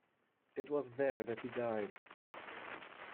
It was there that he died.